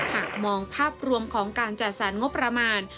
หากมองภาพรวมของการจัดสรรงบประมาณ